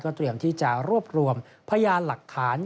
เตรียมที่จะรวบรวมพยานหลักฐาน